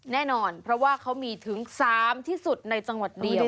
แน่นอนเพราะว่าเขามีถึง๓ที่สุดในจังหวัดเดียว